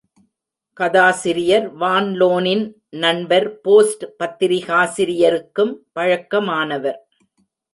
கதாசிரியர் வான் லோனின் நண்பர் போஸ்ட் பத்திரிகாசிரியருக்கும் பழக்கமானவர்.